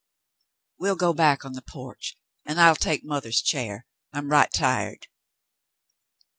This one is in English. "We'll go back on the porch, and I'll take mother's chair. I'm right tired."